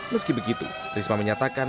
meski begitu risma menyatakan